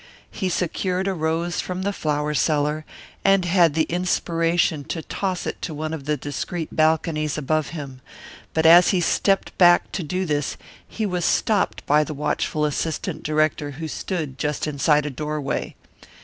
He secured a rose from the flower seller, and had the inspiration to toss it to one of the discreet balconies above him, but as he stepped back to do this he was stopped by the watchful assistant director who stood just inside a doorway.